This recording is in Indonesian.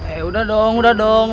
eh udah dong udah dong